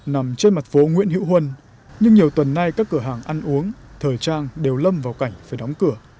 nằm trên mặt phố nguyễn hữu huân nhưng nhiều tuần nay các cửa hàng ăn uống thời trang đều lâm vào cảnh phải đóng cửa